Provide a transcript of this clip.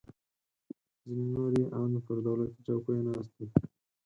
ځینې نور یې ان پر دولتي چوکیو ناست دي